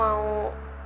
aku mau kesana